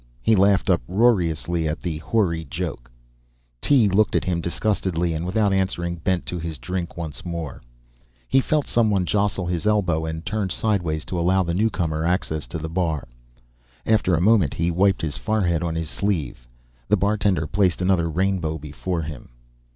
He laughed uproariously at the hoary joke. Tee looked at him disgustedly and without answering bent to his drink once more. He felt someone jostle his elbow and turned sideways to allow the newcomer access to the bar. After a moment he wiped his forehead on his sleeve. The bartender placed another rainbow before him.